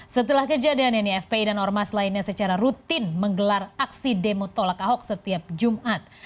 setelah kejadian ini fpi dan ormas lainnya secara rutin menggelar aksi demo tolak ahok setiap jumat